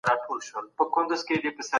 خپله لاره خپله جوړه کړئ.